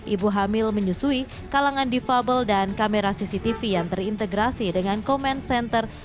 ibu hamil menyusui kalangan difabel dan kamera cctv yang terintegrasi dengan comment center